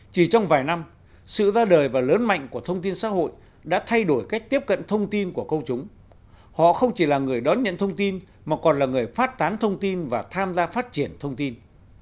chỉ trong vài năm sự ra đời và lớn mạnh của thông tin xã hội đã thay đổi cách tiếp cận thông tin của công chúng họ không chỉ là người đón nhận thông tin mà còn là người phát tán thông tin và tham gia phát triển thông tin